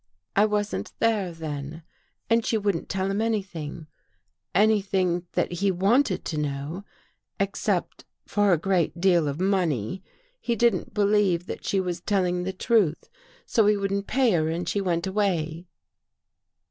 I wasn't there 291 THE GHOST GIRL then and she wouldn't tell him anything — anything that we wanted to know, except for a great deal of money. He didn't believe that she was telling the truth, so he wouldn't pay her and she went away."